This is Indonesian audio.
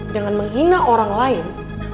dengan menghina orang lain